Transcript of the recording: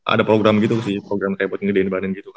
ada program gitu sih program kayak buat ngedein badan itu